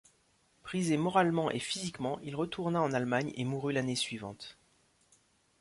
Brisé moralement et physiquement, il retourna en Allemagne et mourut l'année suivante.